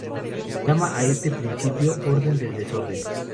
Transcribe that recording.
Llama a este principio "orden del desorden".